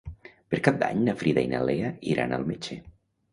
Per Cap d'Any na Frida i na Lea iran al metge.